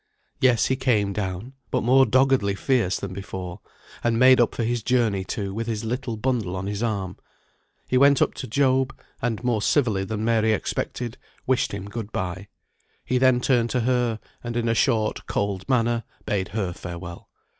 Yes, he came down, but more doggedly fierce than before, and made up for his journey, too; with his little bundle on his arm. He went up to Job, and, more civilly than Mary expected, wished him good bye. He then turned to her, and in a short cold manner, bade her farewell.